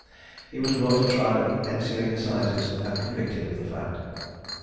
He was brought to trial at the ensuing assizes, and convicted of the fact.